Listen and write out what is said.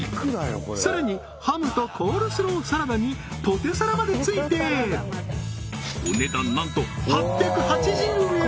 さらにハムとコールスローサラダにポテサラまでついてお値段なんと８８０円！